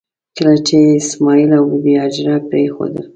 کله چې یې اسماعیل او بي بي هاجره پرېښودل.